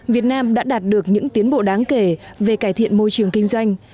việt nam đã đạt được những tiến bộ đáng kể về cải thiện môi trường kinh doanh